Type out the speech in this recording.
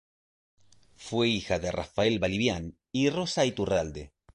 Fue hija de Rafael Ballivián y Rosa Iturralde.